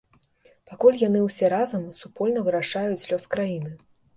Пакуль яны ўсе разам, супольна вырашаюць лёс краіны.